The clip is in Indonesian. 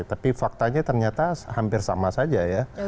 tapi faktanya ternyata hampir sama saja ya